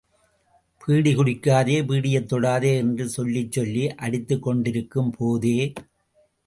PT குடிக்காதே, பீடியைத் தொடாதே என்று சொல்லிச்சொல்லி அடித்துக கொண்டிருக்கும் போதே.